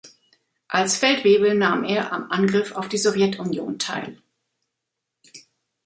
Als Feldwebel nahm er am Angriff auf die Sowjetunion teil.